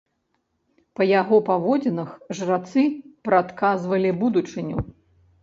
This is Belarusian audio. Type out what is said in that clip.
Па яго паводзінах жрацы прадказвалі будучыню.